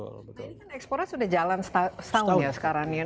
ini kan ekspornya sudah jalan setahun ya sekarang ya